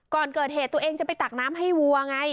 ก่อนเกิดเหตุตัวเองจะไปตักน้ำให้วัวไง